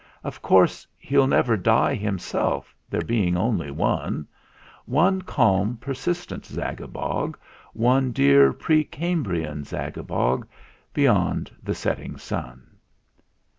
Of course, he'll never die himself, there being only one One calm persistent Zagabog, One dear pre Cambrian Zagabog, Beyond the setting sun.